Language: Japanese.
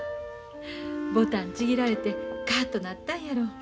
ボタンちぎられてカッとなったんやろ。